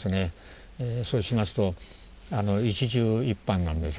そうしますと一汁一飯なんですね。